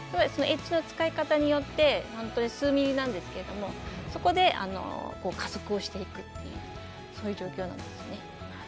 エッジの使い方によって数ミリなんですけどそこで加速をしていくというそういう状況なんですよね。